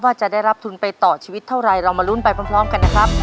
ว่าจะได้รับทุนไปต่อชีวิตเท่าไรเรามาลุ้นไปพร้อมกันนะครับ